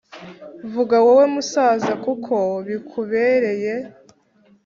Vuga wowe, musaza, kuko bikubereye,